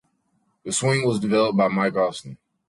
The swing was developed by Mike Austin.